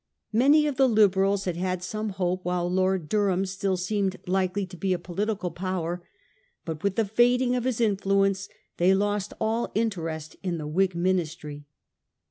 Many of the Liberals had had some hope while Lord Durham still seemed likely to be a political power, but with the fading of his influ ence they lost all interest in the WMg Ministry.